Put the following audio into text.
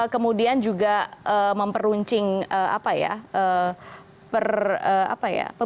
kemudian juga memperuncing pemisahan